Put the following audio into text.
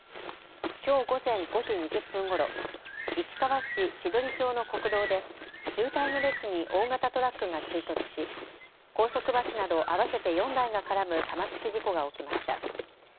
きょう午前５時２０分ごろ、市川市千鳥町の国道で渋滞の列に大型トラックが追突し高速バスなど合わせて４台が絡む玉突き事故が起きました。